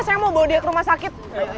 saya mau bawa dia ke rumah sakit